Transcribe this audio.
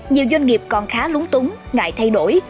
nhiều doanh nghiệp còn khá lúng túng ngại thay đổi